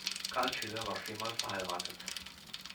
Karl Schiller war viermal verheiratet.